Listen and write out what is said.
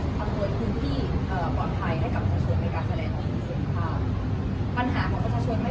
ปัญหาของประชาชนไม่สามารถที่จะมีใครคือแทนได้ทั้งหมดนะคะ